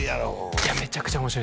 いやめちゃくちゃ面白いです